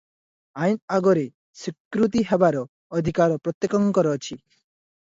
ଆଇନ ଆଗରେ ସ୍ୱୀକୃତ ହେବାର ଅଧିକାର ପ୍ରତ୍ୟେକଙ୍କର ଅଛି ।